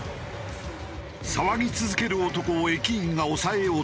騒ぎ続ける男を駅員が押さえようとする。